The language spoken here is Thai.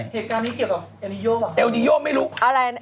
เหตุการณ์นี้เกี่ยวกับเอลนิโย่บ้าง